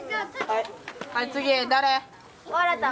はい次誰？